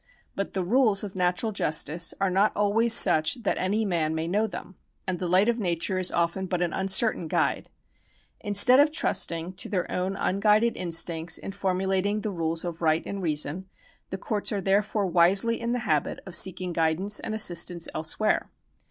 But the rules of natural justice are not always such that any man may know them, and the light of nature is often but an uncertain guide. Instead of trusting to their own unguided instincts in formulating the rules of right and reason, the courts are therefore wisely in the habit of seeking guidance and assist ance elsewhere.